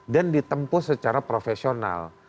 dan ditempuh secara profesional